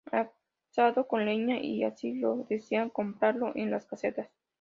Asado con leña, y si así lo desean comprarlo en las casetas.